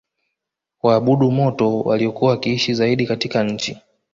waabudu moto waliokuwa wakiishi zaidi katika nchi